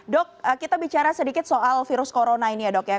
dok kita bicara sedikit soal virus corona ini ya dok ya